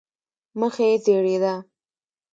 مخ یې زېړېده.